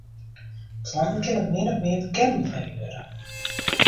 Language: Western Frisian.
Planten kinne min of mear bekenden fan je wurde.